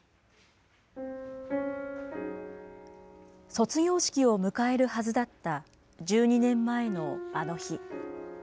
卒業式を迎えるはずだった、１２年前のあの日。